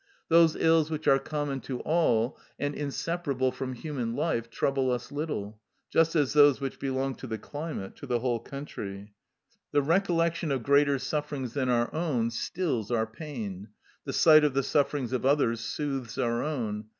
Those ills which are common to all and inseparable from human life trouble us little, just as those which belong to the climate, to the whole country. The recollection of greater sufferings than our own stills our pain; the sight of the sufferings of others soothes our own.